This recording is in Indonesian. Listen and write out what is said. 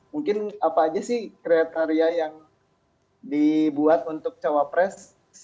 mungkin apa aja sih kriteria yang dibuat untuk cawapres